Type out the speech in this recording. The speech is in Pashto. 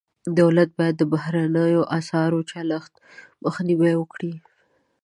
دولت باید د بهرنیو اسعارو چلښت مخنیوی وکړي.